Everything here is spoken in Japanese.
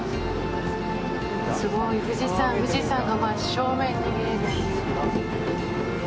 すごい富士山、富士山が真っ正面に見える。